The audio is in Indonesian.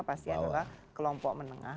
pasti adalah kelompok menengah